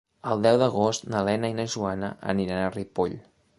El deu d'agost na Lena i na Joana aniran a Ripoll.